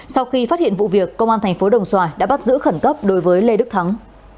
sau khi phát hiện vụ việc công an thành phố đồng xoài đã bắt giữ khẩn cấp đối với lê đức thắng